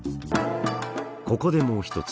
ここでもう一つ。